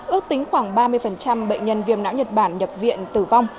ước tính khoảng ba mươi bệnh nhân viêm não nhật bản nhập viện tử vong